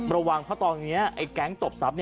ระวังเพราะตอนนี้ไอ้แก๊งตบทรัพย